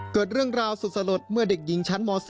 เกิดเรื่องราวสุดสลดเมื่อเด็กหญิงชั้นม๔